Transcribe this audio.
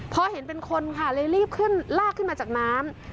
พอเห็นเป็นคนค่ะเลยรีบขึ้นลากขึ้นมาจากน้ำ